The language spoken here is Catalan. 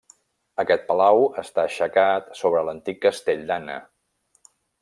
Aquest palau està aixecat sobre l'antic castell d'Anna.